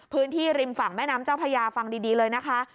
ริมฝั่งแม่น้ำเจ้าพญาฟังดีเลยนะคะ